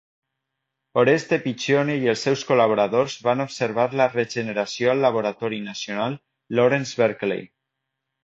Oreste Piccioni i els seus col·laboradors van observar la regeneració al laboratori nacional Lawrence Berkeley.